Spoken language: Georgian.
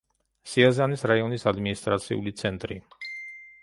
სიაზანის რაიონის ადმინისტრაციული ცენტრი.